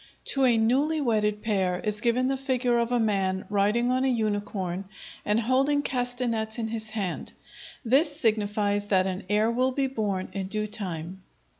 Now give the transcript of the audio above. To a newly wedded pair is given the figure of a man riding on a unicorn and holding castanets in his hand; this signifies that an heir will be born in due time.